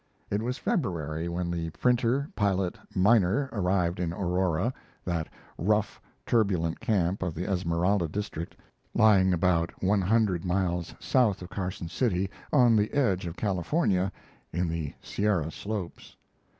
It was February when the printer pilot miner arrived in Aurora, that rough, turbulent camp of the Esmeralda district lying about one hundred miles south of Carson City, on the edge of California, in the Sierra slopes.